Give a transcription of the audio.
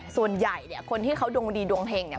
ส่วนใหญ่เนี่ยคนที่เขาดวงดีดวงเฮงเนี่ย